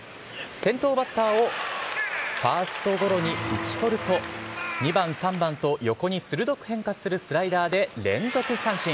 先頭バッターをファーストゴロに打ち取ると２番、３番と横に鋭く変化するスライダーで連続三振。